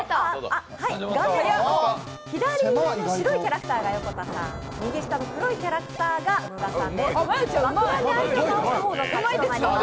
左上の白いキャラクターが横田さん、右下の黒いキャラクターが野田さんです。